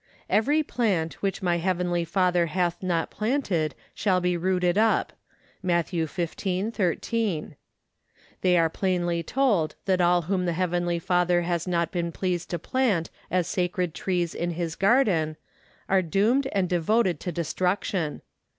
"Every plant which my heavenly Father hath not planted shall be rooted up" (Matth. xv. 13). They are plainly told that all whom the heavenly Father has not been pleased to plant as sacred trees in his garden are doomed and devoted to destruction.